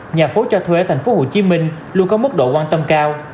nhà phố cho thuê ở tp hcm luôn có mức độ quan tâm cao